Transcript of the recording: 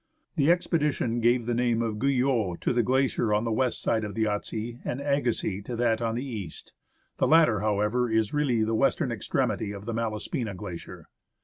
The expedition gave the name of " Guyot " to the glacier on the west side of the Yahtse, and " Agassiz " to that on the east. The latter, however, is really the western extremity of the Malaspina Glacier.